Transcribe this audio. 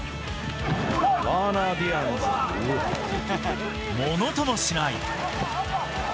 ワーナー・ディアンズ、ものともしない。